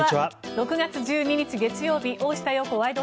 ６月１２日、月曜日「大下容子ワイド！